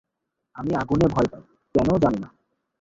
আমি আগুনে ভয় পাই, কেন জানি না।